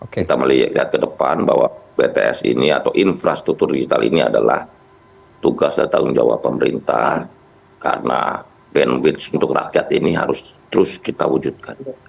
kita melihat ke depan bahwa bts ini atau infrastruktur digital ini adalah tugas dan tanggung jawab pemerintah karena bandwidth untuk rakyat ini harus terus kita wujudkan